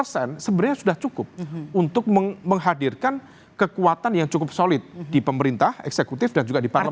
sebenarnya sudah cukup untuk menghadirkan kekuatan yang cukup solid di pemerintah eksekutif dan juga di parlemen